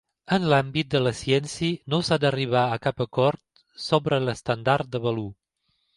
En l’àmbit de la ciència no s’ha d’arribar a cap acord sobre l’estàndard de valor.